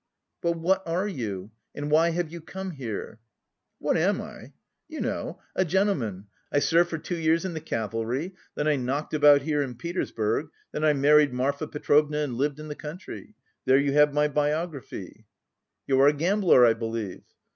"But what are you, and why have you come here?" "What am I? You know, a gentleman, I served for two years in the cavalry, then I knocked about here in Petersburg, then I married Marfa Petrovna and lived in the country. There you have my biography!" "You are a gambler, I believe?"